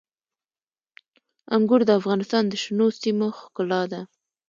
انګور د افغانستان د شنو سیمو ښکلا ده.